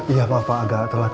iya pak agak telat